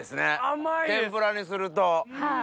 天ぷらにすると。